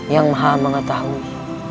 yang maha mengetahui